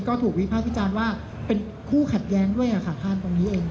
ก็ถูกวิภาควิจารณ์ว่าเป็นคู่ขัดแย้งด้วยค่ะผ่านตรงนี้เอง